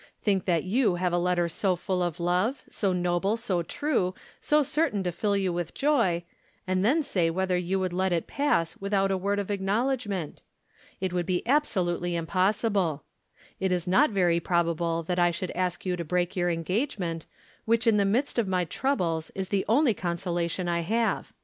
Think that you have a letter so full of love, so noble, so true, so certain to fill you with joy, and then say whether you would let it pass without a word of acknowledgment. It would be absolutely impossible. It is not very probable that I should ask you to break your engagement, which in the midst of my troubles is the only consolation I have.